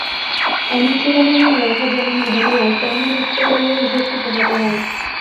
এমন ঠিকানা মনে রাখা যেমন ঝামেলার, তেমনি লিখতে গেলেও ঝক্কি পোহাতে হয়।